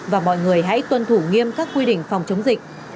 và mọi người hãy tuân thủ nghiêm các quy định phòng chống dịch